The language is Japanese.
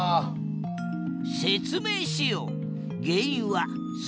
説明しよう。